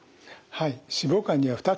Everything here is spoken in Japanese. はい。